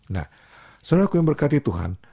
nah saudara aku yang berkati tuhan